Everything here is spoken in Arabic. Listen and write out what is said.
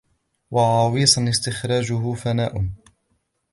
وَغَوِيصًا اسْتِخْرَاجُهُ فَنَاءٌ